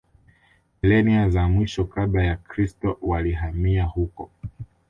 Milenia za mwisho Kabla ya Kristo walihamia huko